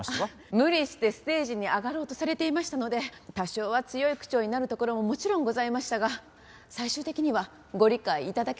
無理してステージに上がろうとされていましたので多少は強い口調になるところももちろんございましたが最終的にはご理解頂けたかと思います。